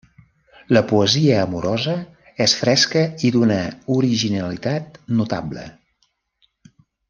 La poesia amorosa és fresca i d'una originalitat notable.